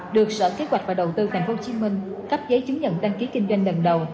được sở kế hoạch và đầu tư tp hcm cấp giấy chứng nhận đăng ký kinh doanh lần đầu